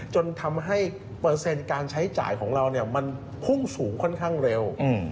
จนทำให้เปอร์เซ็นต์การใช้จ่ายของเรามันพุ่งสูงค่อนข้างเร็ว